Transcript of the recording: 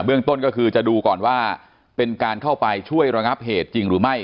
เรื่องต้นก็คือจะดูก่อนว่าเป็นการเข้าไปช่วยระงับเหตุจริงหรือไม่